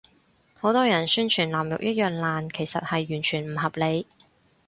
好多人宣傳藍綠一樣爛，其實係完全唔合理